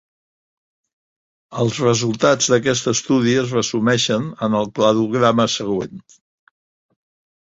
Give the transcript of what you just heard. Els resultats d'aquest estudi es resumeixen en el cladograma següent.